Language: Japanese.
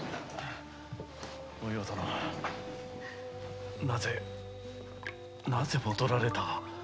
お葉殿なぜなぜ戻られた？